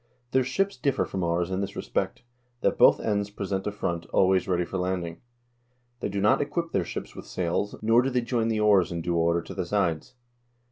Their ships differ from ours in this respect ; that both ends present a front always ready for landing. They do not equip their ships with sails, nor do they join the oars in due order to the sides.